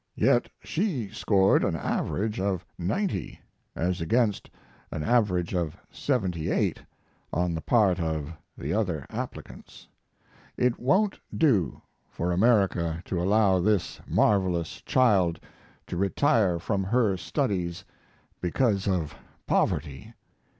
Yet she scored an average of 90, as against an average of 78 on the part of the other applicants. It won't do for America to allow this marvelous child to retire from her studies because of poverty.